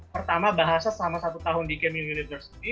pertama bahasa selama satu tahun di caming university